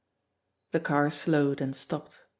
The car slowed, and stopped.